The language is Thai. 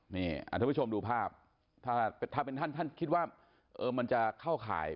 นี่ท่านผู้ชมดูภาพถ้าเป็นท่านท่านคิดว่ามันจะเข้าข่าย